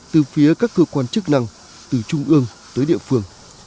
từ phía các cơ quan chức năng từ trung ương tới địa phương